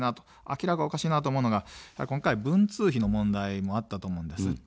明らかにおかしいなと思うのが今回、文通費の問題もあったと思います。